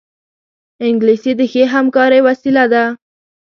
انګلیسي د ښې همکارۍ وسیله ده